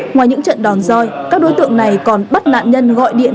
ngoài những trận đòn roi các đối tượng này còn bắt nạn nhân gọi điện